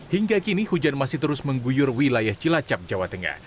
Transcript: hingga kini hujan masih terus mengguyur wilayah cilacap jawa tengah